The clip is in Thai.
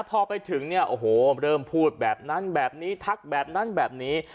พอไปถึงเนี่ยโอ้โหเริ่มพูดแบบนั้นแบบนี้ทักแบบนั้นแบบนี้